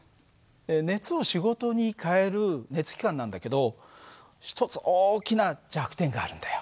熱を仕事に変える熱機関なんだけど一つ大きな弱点があるんだよ。